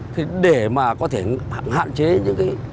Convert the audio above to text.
thế để mà có thể hạn chế những cái